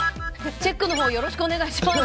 チェックのほうよろしくお願いします。